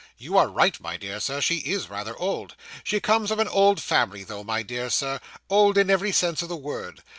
'You are right, my dear Sir, she is rather old. She comes of an old family though, my dear Sir; old in every sense of the word.